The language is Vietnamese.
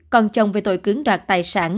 còn chồng về tội cứng đoạt tài sản